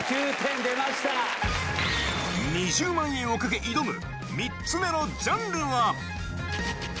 ２０万円を懸け挑む３つ目のジャンルは？